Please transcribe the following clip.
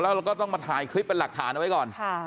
แล้วก็ต้องมาถ่ายคลิปเป็นหลักฐานเอาไว้ก่อน